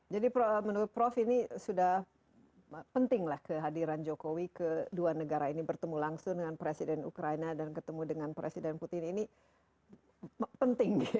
jadi menurut prof ini sudah pentinglah kehadiran jokowi kedua negara ini bertemu langsung dengan presiden ukraina dan ketemu dengan presiden putin ini penting